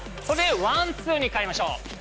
これでワンツーに変えましょう。